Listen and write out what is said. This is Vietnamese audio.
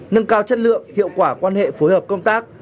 nâng cao chất lượng hiệu quả quan hệ phối hợp công tác